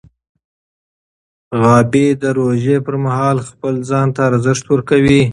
غابي د روژې پر مهال خپل ځان ته ارزښت ورکوي.